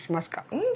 うん！